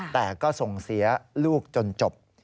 แต่ก็ส่งเสียลูกจนจบ